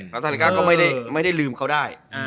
คอสตาลิกาก็ไม่ได้ลืมเขาได้